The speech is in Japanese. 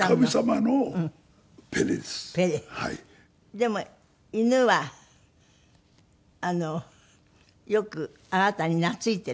でも犬はよくあなたに懐いている？